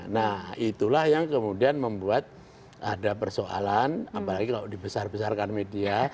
nah itulah yang kemudian membuat ada persoalan apalagi kalau dibesar besarkan media